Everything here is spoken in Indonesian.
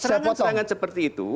serangan serangan seperti itu